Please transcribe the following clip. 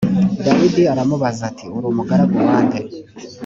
dawidi aramubaza ati uri umugaragu wa nde